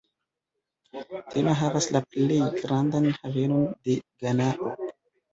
Tema havas la plej grandan havenon de Ganao.